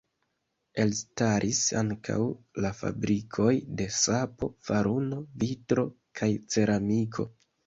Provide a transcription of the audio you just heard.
Elstaris ankaŭ la fabrikoj de sapo, faruno, vitro kaj ceramiko.